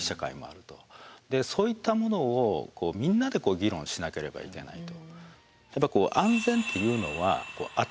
そういったものをみんなで議論しなければいけないと。